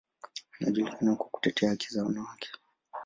Anajulikana kwa kutetea haki za wanawake.